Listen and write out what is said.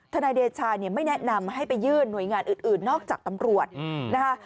นายเดชาเนี่ยไม่แนะนำให้ไปยื่นหน่วยงานอื่นนอกจากตำรวจนะคะ